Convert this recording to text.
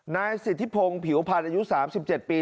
นายสิทธิพงศ์ผิวพันธ์อายุ๓๗ปี